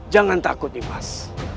jangan takut ibas